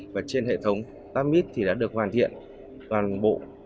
và trên hệ thống tapmit thì đã được hoàn thiện toàn bộ